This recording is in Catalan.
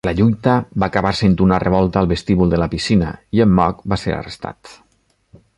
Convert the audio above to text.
La lluita va acabar sent una revolta al vestíbul de la piscina i en Mugg va ser arrestat.